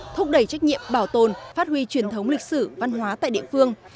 thúc đẩy trách nhiệm bảo tồn phát huy truyền thống lịch sử văn hóa tại địa phương